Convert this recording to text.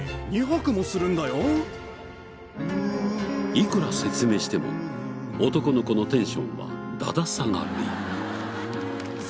いくら説明しても男の子のテンションはだだ下がり。